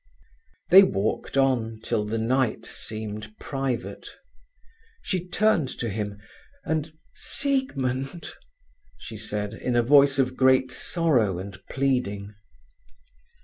They walked on till the night seemed private. She turned to him, and "Siegmund!" she said, in a voice of great sorrow and pleading.